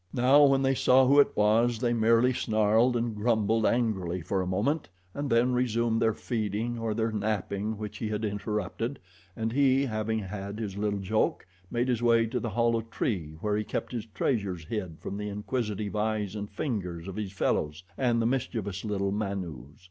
Now, when they saw who it was they merely snarled and grumbled angrily for a moment and then resumed their feeding or their napping which he had interrupted, and he, having had his little joke, made his way to the hollow tree where he kept his treasures hid from the inquisitive eyes and fingers of his fellows and the mischievous little manus.